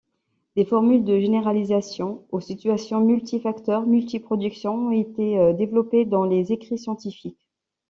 Des formules de généralisation aux situation multi-facteurs-multi-productions ont été développées dans les écrits scientifiques.